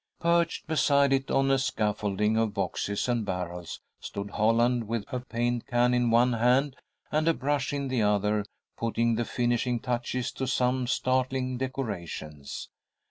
Perched beside it on a scaffolding of boxes and barrels stood Holland, with a paint can in one hand and a brush in the other, putting the finishing touches to some startling decorations.